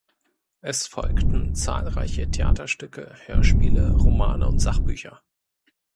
Es folgten zahlreiche Theaterstücke, Hörspiele, Romane und Sachbücher.